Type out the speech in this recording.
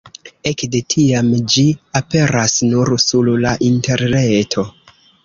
Ekde tiam ĝi aperas nur sur la interreto.